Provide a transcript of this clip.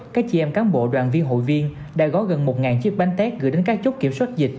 các chị em cán bộ đoàn viên hội viên đã có gần một chiếc bánh tét gửi đến các chốt kiểm soát dịch